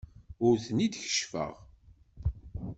Ur ten-id-keccfeɣ.